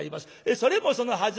それもそのはず